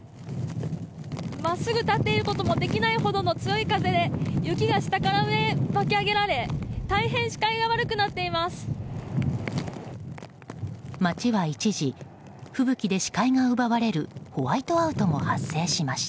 真っすぐ立っていることもできないほどの強い風で雪が下から上へ巻き上げられ大変視界が悪くなっています。